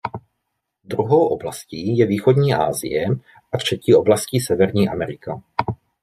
Druhou oblastí je Východní Asie a třetí oblastí Severní Amerika.